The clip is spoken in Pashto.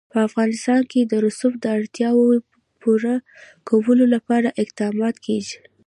په افغانستان کې د رسوب د اړتیاوو پوره کولو لپاره اقدامات کېږي.